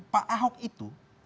pak ahok itu